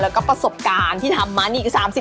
แล้วก็ประสบการณ์ที่ทำมานี่คือ๓๐